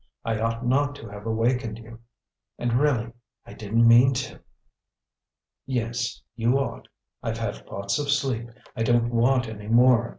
I ought not to have wakened you; and, really, I didn't mean to." "Yes, you ought. I've had lots of sleep; I don't want any more."